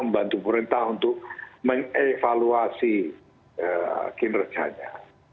membantu pemerintah untuk mengevaluasi kinerjanya